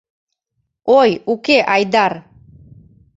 О, уке, Айдар.